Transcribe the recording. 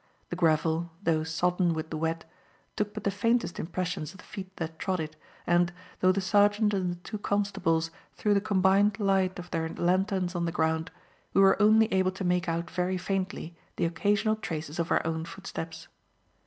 The gravel, though sodden with the wet, took but the faintest impressions of the feet that trod it, and, though the sergeant and the two constables threw the combined light of their lanterns on the ground, we were only able to make out very faintly the occasional traces of our own footsteps.